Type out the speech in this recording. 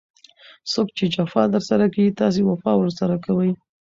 څوک چي جفا درسره کوي؛ تاسي وفا ورسره کوئ!